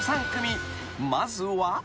［まずは］